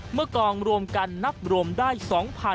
เมื่อกองรวมกันนับรวมได้๒๐๐๒ศพ